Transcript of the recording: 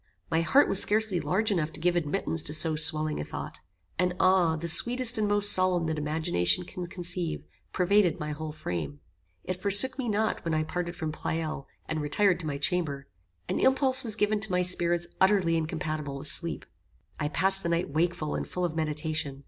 My heart was scarcely large enough to give admittance to so swelling a thought. An awe, the sweetest and most solemn that imagination can conceive, pervaded my whole frame. It forsook me not when I parted from Pleyel and retired to my chamber. An impulse was given to my spirits utterly incompatible with sleep. I passed the night wakeful and full of meditation.